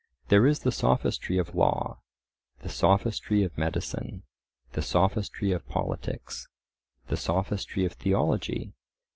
There is the sophistry of law, the sophistry of medicine, the sophistry of politics, the sophistry of theology.